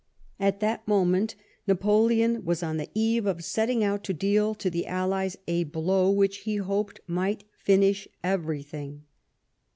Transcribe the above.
At that moment Napoleon was on the eve of setting out to deal to the allies a blow which he hoped might finish everytliing.